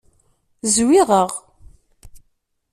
Zwiɣeɣ.